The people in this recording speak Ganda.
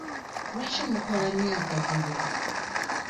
Lwaki mukola nnyo akavuyo?